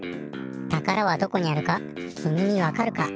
たからはどこにあるかきみにわかるか？